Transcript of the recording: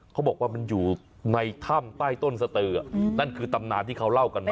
เขาบอกว่ามันอยู่ในถ้ำใต้ต้นสตือนั่นคือตำนานที่เขาเล่ากันนะ